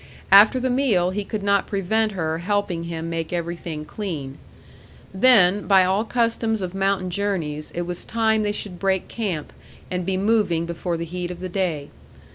After the meal he could not prevent her helping him make everything clean. Then, by all customs of mountain journeys, it was time they should break camp and be moving before the heat of the day.